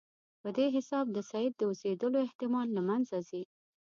په دې حساب د سید د اوسېدلو احتمال له منځه ځي.